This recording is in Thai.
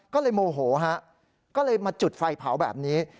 ก็เลยโมโหฮะก็เลยมาจุดไฟเผาแบบนี้